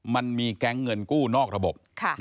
มันมีแก๊งเงินกู้นอกระบบ